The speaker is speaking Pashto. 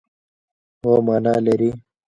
او مانا لري.